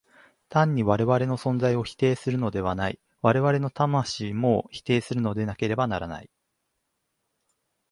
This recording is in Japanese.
単に我々の存在を否定するのではない、我々の魂をも否定するのでなければならない。